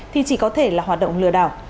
thì chỉ có thể là hoạt động lừa đảo